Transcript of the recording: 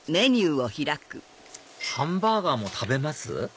ハンバーガーも食べます？